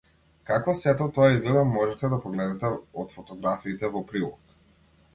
Како сето тоа изгледа можете да погледнете од фотографиите во прилог.